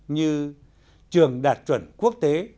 như trường đạt chuẩn quốc tế